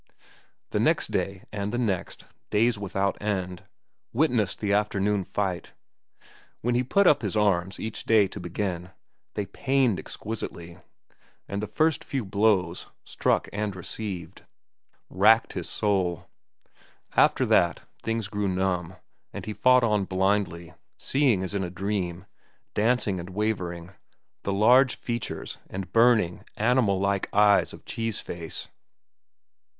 The next day and the next, days without end, witnessed the afternoon fight. When he put up his arms, each day, to begin, they pained exquisitely, and the first few blows, struck and received, racked his soul; after that things grew numb, and he fought on blindly, seeing as in a dream, dancing and wavering, the large features and burning, animal like eyes of Cheese Face.